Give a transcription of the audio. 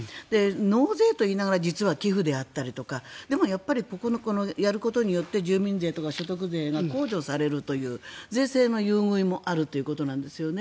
納税といいながら実は寄付となっていたりとかでもやっぱりやることによって住民税とか所得税が控除されるという税制の優遇もあるということなんですよね。